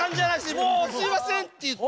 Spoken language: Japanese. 「もうすいません！」って言って。